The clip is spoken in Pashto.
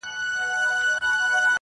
در بخښلی په ازل کي یې قدرت دئ!.